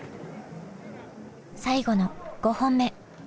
最後の５本目。